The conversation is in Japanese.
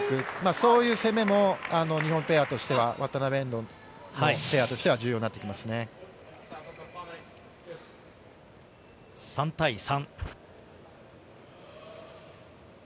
そういう攻めも日本ペアとしては渡辺・遠藤もペアとしては重要に３対３。